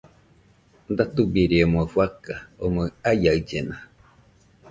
Datubirie omoi fakan omɨ aiaɨllena.